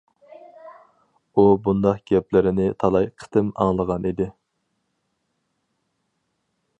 ئۇ بۇنداق گەپلىرىنى تالاي قېتىم ئاڭلىغان ئىدى.